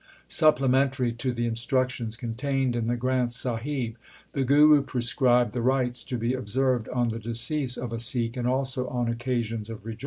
2 Supplementary to the instructions contained in the Granth Sahib the Guru prescribed the rites to be observed on the decease of a Sikh, and also on occasions of rejoicing.